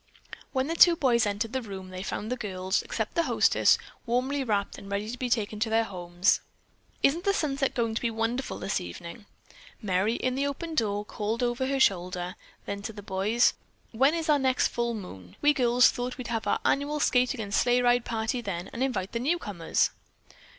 When the two boys entered the room they found the girls, except the hostess, warmly wrapped and ready to be taken to their homes. "Isn't the sunset going to be wonderful this evening?" Merry, in the open door, called over her shoulder. Then to the boys: "When is our next full moon? We girls thought we'd have our annual skating and sleigh ride party then, and invite the newcomers."